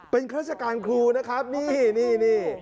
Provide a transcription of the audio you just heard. เป็นคราชการครูนะครับนี่